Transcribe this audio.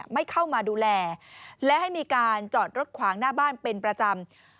ไม่เข้ามาดูแลและให้มีการจอดรถขวางหน้าบ้านเป็นประจำ